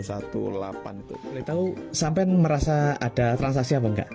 kalian tahu sampai merasa ada transaksi apa nggak